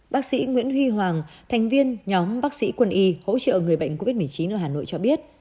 bác sĩ nguyễn huy hoàng thành viên nhóm bác sĩ quân y hỗ trợ người bệnh covid một mươi chín ở hà nội cho biết